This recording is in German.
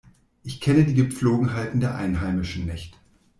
Ich kenne die Gepflogenheiten der Einheimischen nicht.